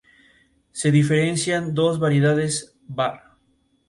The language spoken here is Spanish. Tuvo una hermana, Pia.